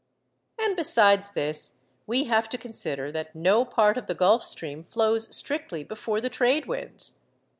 And besides this, we have to consider that no part of the Gulf Stream flows strictly before the trade winds.